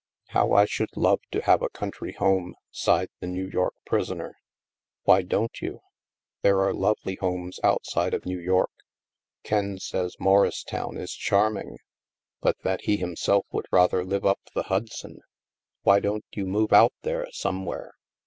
4( How I should love to have a country home," sighed the New York prisoner. " Why don't you ? There are lovely homes out side of New York. Ken says Morristown is charm ing, but that he himself would rather live up the 4( 224 THE MASK Hudson. Why don't you move out there, some where?"